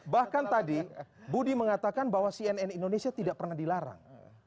bahkan tadi budi mengatakan bahwa cnn indonesia tidak pernah dilarang